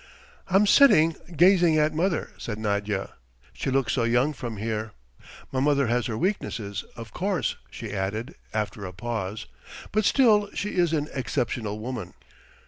"I'm sitting gazing at mother," said Nadya. "She looks so young from here! My mother has her weaknesses, of course," she added, after a pause, "but still she is an exceptional woman."